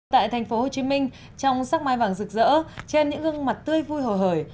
tại thành phố hồ chí minh trong sắc mai vàng rực rỡ trên những gương mặt tươi vui hồ hởi